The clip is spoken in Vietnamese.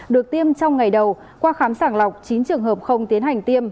được tiêm trong ngày đầu qua khám sàng lọc chín trường hợp không tiến hành tiêm